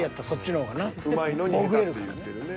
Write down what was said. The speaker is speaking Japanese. うまいのに下手って言ってるね。